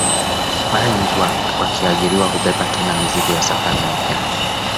Mara nyingi wakiajiriwa hubeba tena mizigo ya safari mpya